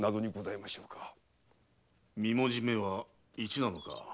三文字目は「一」なのか？